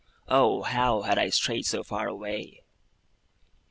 Oh, how had I strayed so far away!